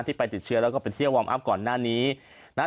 ไปติดเชื้อแล้วก็ไปเที่ยววอร์มอัพก่อนหน้านี้นะฮะ